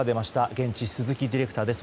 現地、鈴木ディレクターです。